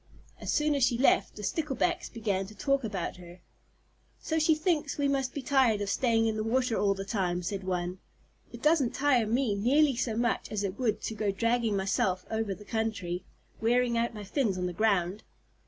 As soon as she left, the Sticklebacks began to talk about her. "So she thinks we must be tired of staying in the water all the time," said one. "It doesn't tire me nearly so much as it would to go dragging myself over the country, wearing out my fins on the ground."